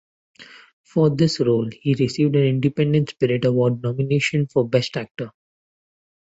For this role, he received an Independent Spirit Award nomination for Best Actor.